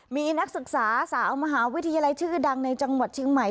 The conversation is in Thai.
มีนักศึกษาสาวมหาวิทยาลัยชื่อดังในจังหวัดเชียงใหม่